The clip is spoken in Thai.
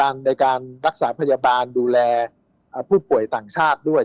ในการรักษาพยาบาลดูแลผู้ป่วยต่างชาติด้วย